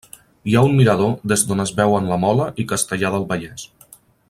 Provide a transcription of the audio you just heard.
Hi ha un mirador des d'on es veuen la Mola i Castellar del Vallès.